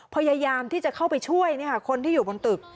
พยายามที่จะเข้าไปช่วยคนที่อยู่บนตึก